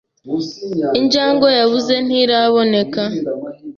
Injangwe yabuze ntiraboneka.